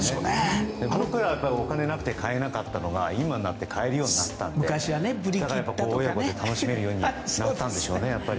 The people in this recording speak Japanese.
あのころはお金がなくて買えなかったのが今になって買えるようになったので親子で楽しめるようになったんでしょうね。